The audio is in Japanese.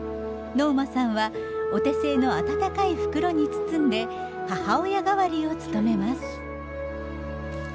ノーマさんはお手製の暖かい袋に包んで母親代わりを務めます。